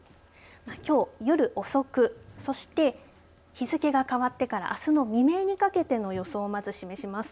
きょう夜遅くそして日付が変わってからあすの未明にかけての予想をまず示します。